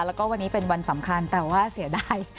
แล้วก็วันนี้เป็นวันสำคัญแต่ว่าเสียดาย